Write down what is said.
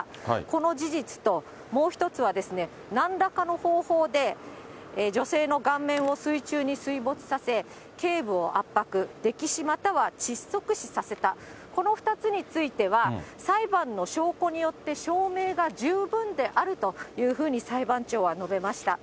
この事実と、もう１つはですね、なんらかの方法で、女性の顔面を水中に水没させ、けい部を圧迫、溺死また窒息死させた、この２つについては、裁判の証拠によって証明が十分であるというふうに、裁判長は述べました。